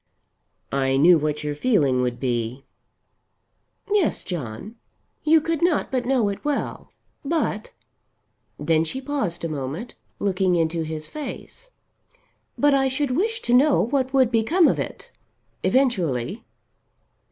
"I knew what your feeling would be." "Yes, John. You could not but know it well. But " Then she paused a moment, looking into his face. "But I should wish to know what would become of it eventually."